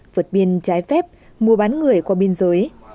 vượt biên trái phép mua bán người qua biên giới